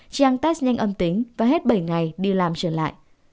chị hằng test nhanh âm tính và hết bảy ngày đi làm trở lại